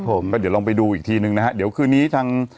ผมก็เดี๋ยวลองไปดูอีกทีนึงนะฮะเดี๋ยวคืนนี้ทาง